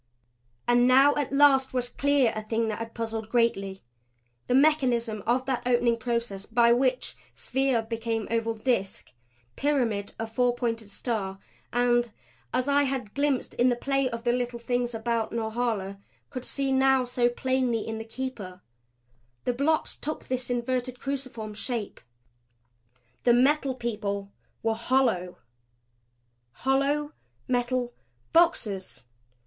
And now at last was clear a thing that had puzzled greatly the mechanism of that opening process by which sphere became oval disk, pyramid a four pointed star and as I had glimpsed in the play of the Little Things about Norhala, could see now so plainly in the Keeper the blocks took this inverted cruciform shape. The Metal People were hollow! Hollow metal boxes!